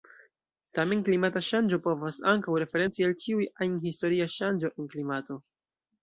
Tamen klimata ŝanĝo povas ankaŭ referenci al ĉiu ajn historia ŝanĝo en klimato.